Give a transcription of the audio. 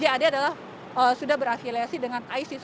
jad adalah sudah berafiliasi dengan isis